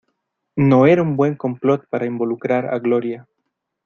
¡No era un buen complot para involucrar a Gloria!